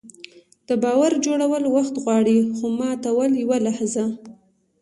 د باور جوړول وخت غواړي، خو ماتول یوه لحظه.